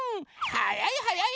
はやいはやい！